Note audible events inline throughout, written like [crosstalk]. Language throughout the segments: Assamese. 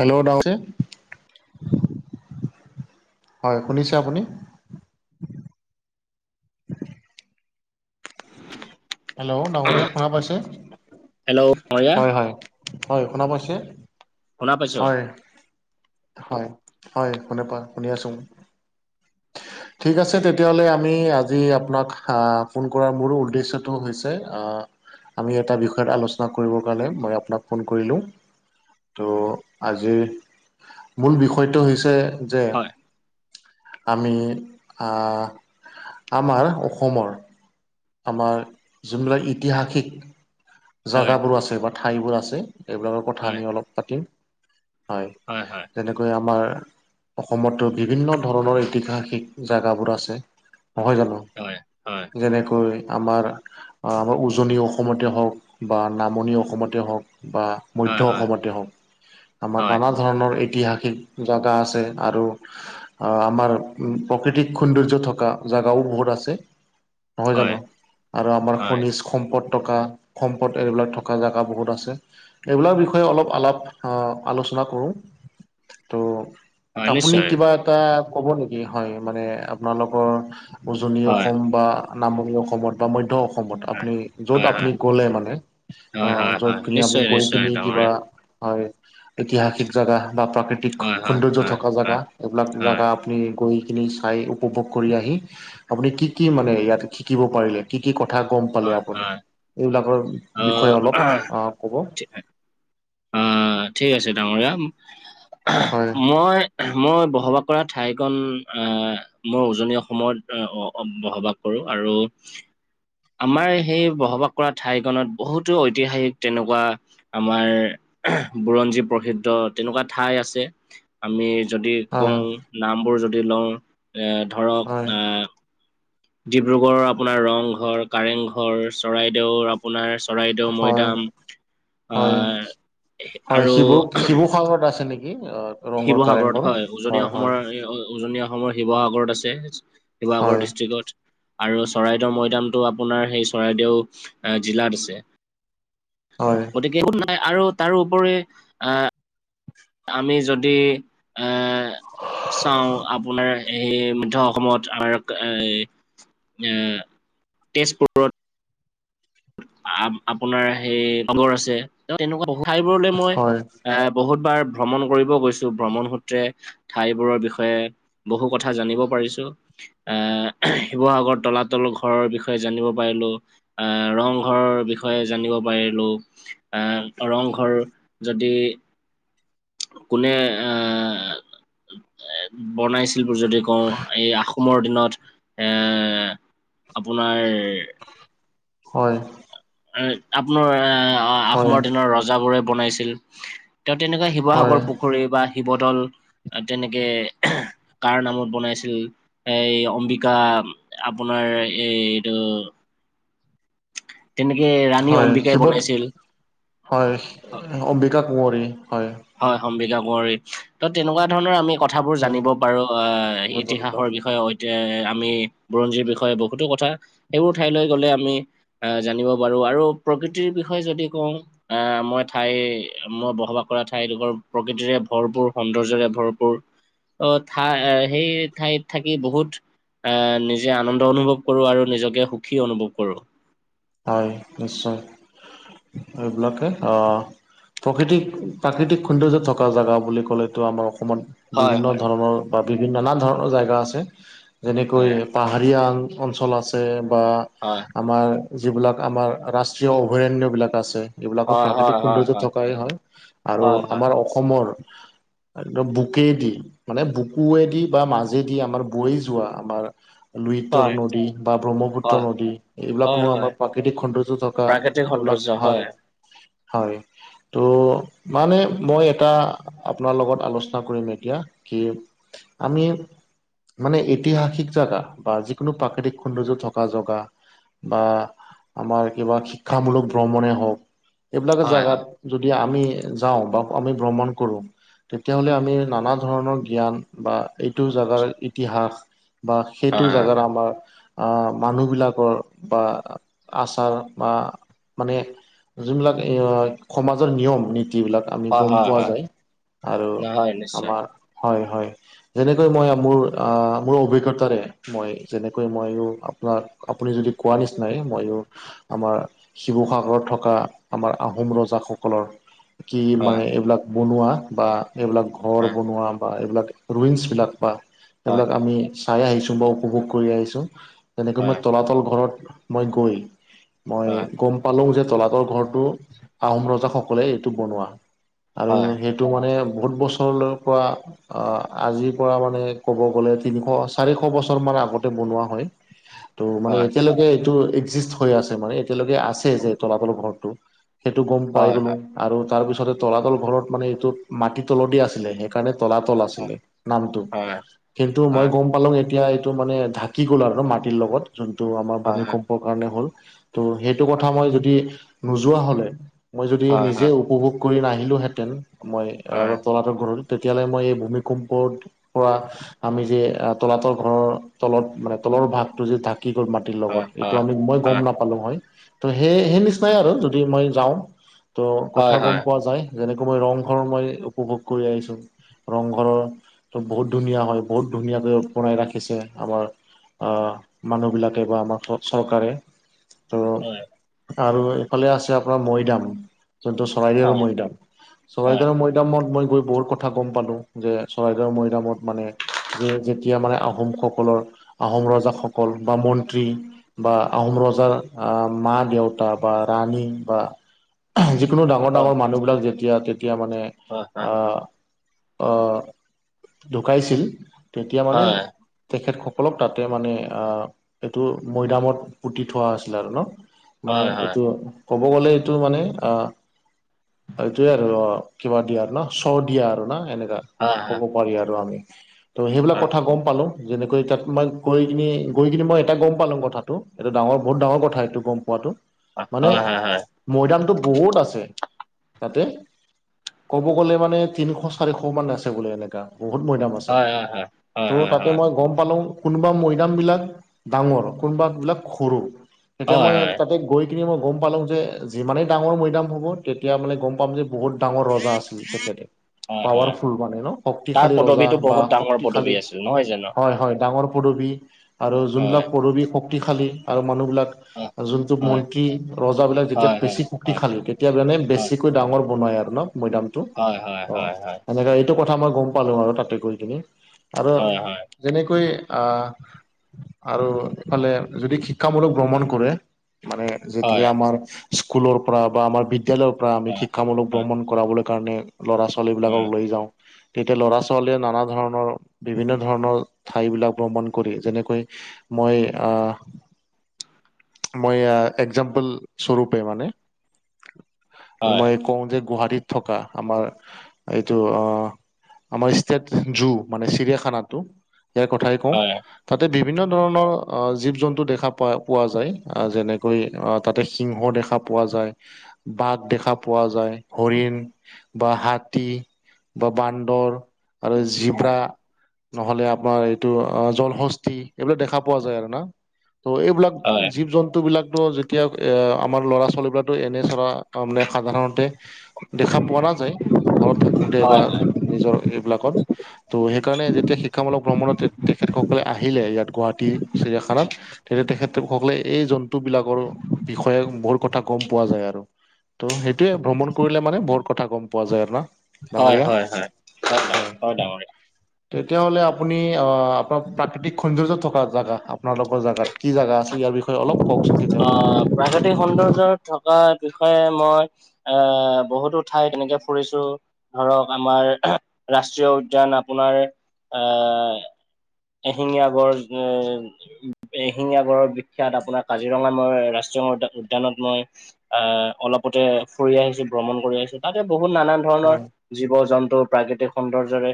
তেলৰ দাম হৈছে। হয়, শুনিছে আপুনি? হেল্ল' ডাঙৰীয়া শুনা হেল্ল' পাইছে? মৰিয়া হয়, হয়। হয় শুনা পাইছে? শুনা পাইছো হয়। হয়, হয় শুনে পা শুনি আছো। ঠিক আছে তেতিয়াহ'লে আমি আজি আপোনাক আ ফোন কৰাৰ মোৰো উদ্দেশ্য টো হৈছে আ আমি এটা বিষয়ত আলোচনা কৰিবৰ কাৰণে মই আপোনাক ফোন কৰিলো। ত আজিৰ মূল বিষয়টো হৈছে যে হয় আমি আ আমাৰ অসমৰ আমাৰ যোনবিলাক ইতিহাসিক হয় জাগাবোৰ আছে বা ঠাইবোৰ আছে এইবিলাকৰ কথা হয় আমি অলপ পাতিম। হয়। হয়, হয়। তেনেকৈ আমাৰ অসমতো বিভিন্ন ধৰণৰ ইতিহাসিক জাগাবোৰ আছে। নহয় জানো? হয় হয় হয় যেনেকৈ আমাৰ আ আমাৰ উজনি অসমতে হওক। বা নামনি অসমতে হওক বা হয় মধ্য অসমতে হওক। আমাৰ হয় নানা ধৰণৰ ইতিহাসিক জাগা আছে আৰু আ আমাৰ প্ৰকৃতিক সৌন্দৰ্য থকা জাগাও বহুত আছে। নহয় জানো? হয় আৰু আমাৰ হয় খনিজ সম্পদ থকা সম্পদ এইবিলাক থকা জাগা বহুত আছে। এইবিলাকৰ বিষয়ে অলপ আলাপ আ আলোচনা কৰো। ত' হয় আপুনি নিশ্চয় কিবা এটা ক'ব নেকি হয় মানে আপোনালোকৰ উজনি হয় অসম বা নামনি অসমত বা মধ্য অসমত হয় আপুনি য'ত হয় হয় আপনি [unintelligible] মানে অ হয় হয় যত হয় কিনি আমি নিশ্চয় গৈ নিশ্চয় কিনি কিবা, ডাঙৰীয়া হয়। ঐতিহাসিক জাগা বা প্ৰাকৃতিক হয় হয় সৌন্দৰ্য হয় থকা হয় জাগা। এইবিলাক হয় জাগা আপুনি গৈ কিনি চাই উপভোগ কৰি আহি আপুনি কি কি মানে ইয়াত শিকিব পাৰিলে? কি কি কথা গম পালে হয় আপুনি? হয় এইবিলাকৰ আহ বিষয়ে অলপ আ ক'ব। আ ঠিক আছে ডাঙৰীয়া। হয় মই মই বসবাস কৰা ঠাইকণ আ মই উজনি অসমত অ-অ বসবাস কৰো আৰু আমাৰ সেই বসবাস কৰা ঠাইখনত বহুতো ঐতিহাসিক তেনেকুৱা আমাৰ বুৰঞ্জী প্ৰসিদ্ধ তেনেকুৱা ঠাই আছে। আমি যদি হয় কওঁ, নামবোৰ যদি লও এ হয় ধৰক আ ডিব্ৰুগড়ৰ আপোনাৰ ৰংঘৰ, কাৰেংঘৰ, চৰাইদেউৰ আপোনাৰ চৰাইদেউ হয় মৈদাম হয়, আহ হয় আৰু শিৱ শিৱসাগৰত আছে নেকি? অ। ৰংঘৰ শিৱসাগৰত কাৰেংঘৰ হয়, উজনি হয় অসমৰ এই উজনি অসমৰ শিৱসাগৰত আছে, হয় শিৱসাগৰ ডিষ্ট্ৰিকত। আৰু চৰাইদেউৰ মৈদামটো আপোনাৰ হেই চৰাইদেউ জিলাত আছে। হয়। গতিকে [unintelligible] নাই আৰু তাৰোপৰি আহ আমি যদি এ চাওঁ আপোনাৰ এ ধৰ অসমত আৰক এই য়া তেজপুৰত। আপো আপোনাৰ হেই অমৰ আছে। তেনেকুৱা বহু ঠাইবোৰলে মই হয় আ বহুত বাৰ ভ্ৰমণ কৰিব গৈছো। ভ্ৰমণ সূত্ৰে ঠাইবোৰৰ বিষয়ে বহু কথা জানিব পাৰিছো। আ শিৱসাগৰৰ তলাতল ঘৰৰ বিষয়ে জানিব পাৰিলো। আহ ৰংঘৰৰ বিষয়ে জানিব পাৰিলো, আহ ৰংঘৰ যদি কোনে আহ বনাইছিল বুলি যদি কওঁ এই আহোমৰ দিনত এ আপোনাৰ হয়। আপোনাৰ আহ হয় আহোমৰ হয় দিনৰ ৰজাবোৰে বনাইছিল, তেওঁ তেনেকুৱা হিম- হয় শিৱসাগৰ পুখুৰী বা শিৱদল তেনেকে কাৰ নামত বনাইছিল। এই অম্বিকা আপোনাৰ এই এইটো তেনেকে ৰাণী হয় অম্বিকাই শিৱদ বনাইছিল হয় অম্বিকা কুঁৱৰী হয়। হয় অম্বিকা কুঁৱৰী ত তেনেকুৱা ধৰণৰ আমি কথাবোৰ উম, জানিব পাৰো শিৱদৌল ইতিহাসৰ বিষয়ে অধ- এতিয়া আমি বুৰঞ্জীৰ বিষয়ে বহুতো কথা সেইবোৰ ঠাইলৈ গ'লে আমি আহ জানিব পাৰো আৰু প্ৰকৃতিৰ বিষয়ে যদি কওঁ অ মই ঠাই মই বসবাস কৰা ঠাইলোকৰ প্ৰকৃতিৰে ভৰপুৰ সৌন্দৰ্যৰে ভৰপূৰ। অ ঠাই আহ সেই ঠাইত থাকি বহুত আহ নিজে আনন্দ অনুভৱ কৰোঁ আৰু নিজকে সুখী অনুভৱ কৰোঁ। হয় নিশ্চয়, এইবিলাকে অ প্ৰকৃতিক প্ৰাকৃতিক সৌন্দৰ্য থকা জেগা বুলি ক'লেটো আমাৰ অসমত বিভিন্ন ধৰণৰ বা বিভিন্ন নানা ধৰণৰ জেগা আছে যেনেকৈ হয় পাহাৰীয়া অঞ্চল আছে বা হয়। আমাৰ যিবিলাক আমাৰ ৰাষ্ট্ৰীয় অভয়াৰণ্যবিলাক আছে। এইবিলাকক হয় প্ৰাকৃতিক হয় হয় সৌন্দৰ্য থকাই হয় আৰু হয় আমাৰ অসমৰ একদম বুকে দি, মানে বুকুৱেদি বা মাজেদি আমাৰ বৈ যোৱা আমাৰ লুইতৰ হয় নদী বা ব্ৰহ্মপুত্ৰ হয় নদী, এইবিলাক হয় হয় কৌ হয় আমাৰ প্ৰাকৃতিক সৌন্দৰ্য থকা প্ৰাকৃতিক এইবিলাক সৌন্দৰ্য হয়, হয়। ত' মানে মই এটা আপোনাৰ লগত আলোচনা কৰিম এতিয়া কি, আমি মানে ঐতিহাসিক জেগা বা যিকোনো প্ৰাকৃতিক সৌন্দৰ্য থকা জগা। বা আমাৰ কিবা শিক্ষামূলক ভ্ৰমণে হওঁক এইবিলাকে হয়, হয়, জেগাত। যদি আমি যাওঁ বা আমি ভ্ৰমণ কৰোঁ। তেতিয়াহ'লে আমি নানা ধৰণৰ জ্ঞান বা এইটো জেগাৰ ইতিহাস। বা সেইটো হয়, হয়। জেগাত আমাৰ আহ মানুহ বিলাকৰ বা আচাৰ বা মানে যোনবিলাক এ অই সমাজৰ নিয়ম নীতিবিলাক আমি হয়, গম হয়, পোৱা হয়। যায় আৰু নহয় নিশ্চয়। আম- হয় হয় যেনেকৈ মই মোৰ মোৰ অভিজ্ঞতাৰে মই যেনেকৈ মইয়ো আপোনাক আপুনি যদি কোৱা নিচিনাই মইও আমাৰ শিৱসাগৰত থকা আমাৰ আহোম ৰজাসকলৰ কি মানে হয়, এইবিলাক বনোৱা বা এইবিলাক ঘৰ হয়, বনোৱা বা এইবিলাক ৰুইংছ বিলাক বা হয়, সেইবিলাক আমি চাই আহিছো বা উপভোগ কৰি আহিছোঁ। যেনেকৈ মই হয়, তলাতল ঘৰত মই গৈ মই হয়, গ'ম পালো যে তলাতৰ ঘৰটো আহোম ৰজাসকলে এইটো বনোৱা। আৰু হয়, সেই এইটো মানে বহুত বছৰলৈৰ পৰা অ আজিৰ পৰা মানে ক'ব গলে তিনিশ চাৰিশ বছৰ মান আগতে বনোৱা হয়। হয়। ত' মানে এতিয়ালৈকে এইটো একজিষ্ট হৈ আছে মানে এতিয়ালৈকে আছে যে তলাতলৰ ঘৰটো। সেইটো গম হয়, পাই হয়, গলোঁ, আৰু তাৰ পিছতে তলাতল ঘৰত মানে এইটোত মাটি তলে দি আছিলে সেই কাৰণে তলাতল হয়, আছিলে নামটো, হয়, কিন্তু মই গম পালোঁ এতিয়া এইটো মানে ঢাকি গ'ল আৰু মাটিৰ লগত যোনটো আমাৰ হয়, হয়, হয়, ভূমিকম্প কাৰণে হ'ল ত' সেইটো কথা মই যদি নোযোৱা হলে মই যদি হয়, হয়, নিজে হয়, উপভোগ কৰি নাহিলোহেঁতেন মই হয়, হয়, তলাতৰ ঘৰৰ তেতিয়ালে মই এই ভূমিকম্পত পৰা আমি যে তলাতল ঘৰৰ তলত মানে তলৰ ভাগটো যে ঢাক কি গ'ল মাটিৰ হয়, লগত এইটো হয়, আমি মই হয়, গম নাপ পালো হয়, ত সেই সেই নিচিনাই আৰু যদি মই যাওঁ ত' হয়, হয়, হয়, কথা হয়, হয়, হয়, হয়, হয়, হয়। গম পোৱা যায়। যেনেকৈ মই ৰংঘৰ মই উপভোগ কৰি আহিছোঁ। ৰংঘৰৰ বহুত ধুনীয়া হয় বহুত ধুনীয়াকৈ বনাই ৰাখিছে আমাৰ। অহ‌ মানুহবিলাকে বা আমাৰ চৰকাৰে ত' হয় আৰু এইফালে আছে আপোনাৰ মৈদাম, যোনটো চৰাইদেউ মৈদাম, চৰাইদেউ মৈদাম মৈদামত মই গৈ বহুত কথা গম পালো যে চৰাইদেউৰ মৈদামত মানে যে যেতিয়া মানে আহোমসকলৰ আহোম ৰজাসকল বা মন্ত্ৰী বা আহোম ৰজাৰ মা দেউতা বা ৰাণী বা যিকোনো ডাঙৰ হয়, হয়, ডাঙৰ মানুহবিলাক যেতিয়া তেতিয়া মানে হয়, আহ অ ঢুকাইছিল তেতিয়া মানে তেখেতসকলক তাতে মানে অ এইটো মৈদামত পুতি থোৱা আছিলে আৰু ন। মানে এইটো ক'ব গ'লে এইটো মানে এইটোৱে আৰু ৰ কিবা দিয়া ন চ দিয়া আৰু না এনেকা হয়, হয়, হয়, হয়, হয়, ক'ব পাৰি আৰু আমি। ত' সেইবিলাক কথা গম পালো যেনেকৈ তাত মই গৈ কিনি গৈ কিনে মই এটা গম পালো কথাটো এটো ডাঙৰ বহুত ডাঙৰ কথা এইটো গম পোৱাটো, মানে- হয়, মৈদামটো বহুত আছে তাতে। ক'ব গ'লে মানে তিনিশ চাৰিশ মান আছে বোলে এনেকা বহুত মৈদাম আছে। ত তাতে মই গম পালো কোনোবা মৈদাম বিলাক ডাঙৰ, কোনোবা বিলাক সৰু। এতিয়া হয়, মই তাতে গৈ কিনি মই গম পালোঁ যে যিমানেই ডাঙৰ মৈদাম হ'ব তেতিয়া মানে গম পাম যে, বহুত ডাঙৰ ৰজা আছিল তেখেতে। হয়, হয়। পাৱাৰফুল মানে ন, তাৰ শক্তিশালী ৰজা পদবীটো বা বহুত ডাঙৰ পদবী শক্তিশালী- আছিল নহয় জানো? হয় হয় ডাঙৰ পদৱী আৰু হয়, যোনবিলাক পদৱী শক্তিশালী আৰু মানুহবিলাক হয়, যোনটো হয়, মন্ত্ৰী ৰজাবিলাক যেতিয়া হয়, হয়, পেছি- হয়, শক্তিশালী কেতিয়াবানে হয়, বেছিকৈ ডাঙৰ বনাই আৰু ন মৈদামটো হয়, হয়, অ হয়, হয়, সেনেকা এইটো কথা মই গম পালো আৰু তাতে গৈ কিনি, আৰু হয়, হয়। যেনেকৈ আহ আৰু এইফালে যদি শিক্ষামূলক ভ্ৰমণ কৰে, মানে যেতিয়া হয়, আমাৰ স্কুলৰ পৰা বা আমাৰ বিদ্যালয়ৰ পৰা আমি হয়, শিক্ষামূলক হয়, ভ্ৰমণ কৰাবলৈ কাৰণে ল'ৰা ছোৱালীবিলাকক হয়, লৈ যাওঁ। তেতিয়া ল'ৰা ছোৱালীয়ে নানা ধৰণৰ, বিভিন্ন ধৰণৰ ঠাই বিলাক ভ্ৰমণ কৰি যেনে- কৈ মই আ মই একজাম্পল স্বৰূপে মানে হয়, মই কওঁ যে গুৱাহাটীত থকা আমাৰ এইটো আহ আমাৰ ষ্টেট জু মানে চিৰিয়াখানাটো ইয়াৰ কথাই কওঁ হয়, তাতে বিভিন্ন ধৰণৰ জীৱ জন্তু দেখা পোৱা পোৱা যায়। যেনেকৈ তাতে সিংহ দেখা- পোৱা যায় বাঘ দেখা পোৱা যায় হৰিণ বা হাতী বা বান্দৰ আৰু জিব্ৰা নহ'লে আপোনাৰ এইটো জলহ এইবিলাক দেখা পোৱা যায় আৰু না ত' এইবিলাক হয়, জীৱ জন্তু বিলাকতো তিয়ক এয়া আমাৰ ল'ৰা ছোৱালী বিলাকটো এনে চৰা মানে সাধাৰণতে দেখা পোৱা নাযায় ঘৰত থাকোতে বা হয়, নিজৰ এইবিলাকত ত' সেই কাৰণে যেতিয়া শিক্ষামূলক ভ্ৰমণত তেখেতসকলে আহিলে ইয়াত গুৱাহাটী চিৰিয়াখানাত তেতিয়া তেখেত সকলে এই জন্তু বিলাকৰ বিষয়ে বহুত কথা গম পোৱা যায় আৰু। ত' সেইটোয়ে ভ্ৰমণ কৰিলে মানে বহুত কথা গম পোৱা যায় ন ডাঙৰীয়া, হয়, হয়। হয় ডাঙ হয় ডাঙৰীয়া। তেতিয়াহলে আপুনি অ আপোনাক প্ৰাকৃতিক সৌন্দৰ্য থকা জেগা আপোনালোকৰ জেগাত কি জাগা আছে ইয়াৰ বিষয়ে অলপ কওকচোন তেতিয়াহ'লে আহ প্ৰাকৃতিক সৌন্দৰ্য থকা বিষয়ে মই এ বহুতো ঠাই তেনেকে ফুৰিছো ধৰক আমাৰ ৰাষ্ট্ৰীয় উদ্যান আপোনাৰ এ এশিঙীয়া গড় এ এশিঙীয়া গড়ৰ বি সেয়াত আপোনাৰ কাজিৰঙা মই ৰাষ্ট্ৰীয়ময় উদ্যা উদ্যানত মই এ অলপতে ফুৰি আহিছো ভ্ৰমণ কৰি আহিছো তাতে বহুত নানান ধৰণৰ হয় জীৱ জন্তুৰ প্ৰাকৃতিক সৌন্দৰ্যৰে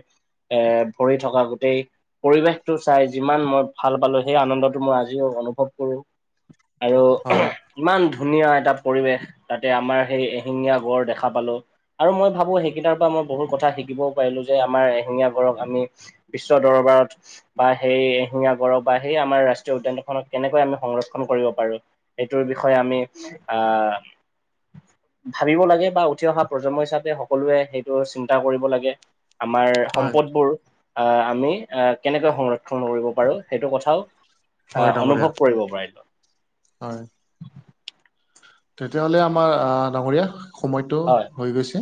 এ ভৰি থকা গোটেই পৰিৱেশটো চাই যিমান মই ভাল পালো সেই আনন্দতো মোৰ আজিও অনুভৱ কৰো আৰু হয় ওমহ ইমান ধুনীয়া এটা পৰিৱেশ তাতে আমাৰ সেই এশিঙীয়া গড় দেখা পালো আৰু মই ভাবো সেইকেইটাৰ পা মই বহুত কথা শিকিবও পাৰিলো যে আমাৰ এশিঙীয়া গড়ক আমি বিশ্ব দৰবাৰত বা সেই এশিঙীয়া গড়ক বা সেই আমাৰ ৰাষ্ট্ৰীয় উদ্যানখনত কেনেকৈ আমি সংৰক্ষণ কৰিব পাৰো সেইটোৰ বিষয়ে আমি আ ভাবিব লাগে বা উঠি অহা প্ৰজন্ম হিচাপে সকলোৱে সেইটো চিন্তা কৰিব লাগে আমাৰ হয় সম্পদবোৰ আ আমি আ কেনেকৈ সংৰ ক্ষণ কৰিব পাৰো সেইটো কথাও আ হয় ডাঙৰীয়া অনুভৱ কৰিব পাৰিলো। হয় তেতিয়াহ'লে আমাৰ আ ডাঙৰীয়া সময়তো হয় হৈ গৈছে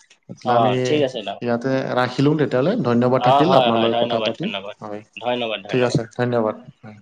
তেতেয়া হ'লে অ আমি ঠিক আছে দা। ইয়াতে ৰাখিলো তে তিয়াহ'লে ধন্যবাদ অ থাকিল হয় হয় আপোনালৈ কথা ধন্যবাদ পাতি ধন্যবাদ হয় ধন্যবাদ ঠিক ধন্যবাদ আছে ধন্যবাদ হয়।